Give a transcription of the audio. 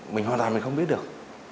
mình hoàn toàn mình không biết được